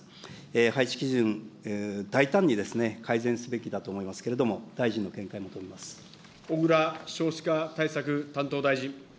配置基準、大胆にですね、改善すべきだと思いますけれども、小倉少子化対策担当大臣。